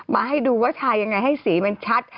มาให้ดูว่าทายังไงให้สีมันชัด